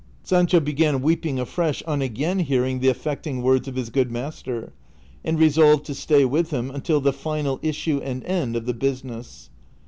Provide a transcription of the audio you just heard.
Sancho began weeping afresh on again hearing the affecting words of his good master, and re solved to stay with him luitil the final issue and end of the business.